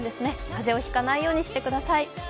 風邪をひかないようにしてください。